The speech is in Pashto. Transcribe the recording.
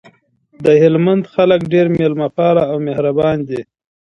دهلمند خلګ ډیر میلمه پاله او مهربان دي